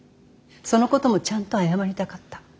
そのこともちゃんと謝りたかった。